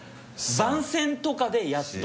番宣とかでやっと。